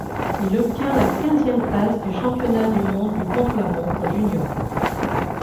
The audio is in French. Il obtient la quinzième place du championnat du monde du contre-la-montre juniors.